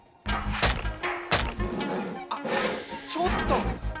あっちょっともう！